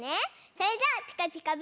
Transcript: それじゃあ「ピカピカブ！」